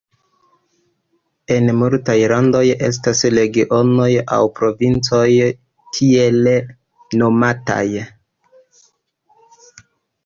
En multaj landoj estas regionoj aŭ provincoj tiele nomataj.